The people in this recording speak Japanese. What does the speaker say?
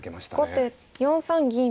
後手４三銀。